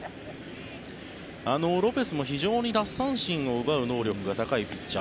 ロペスも非常に奪三振を奪う能力が高いピッチャー。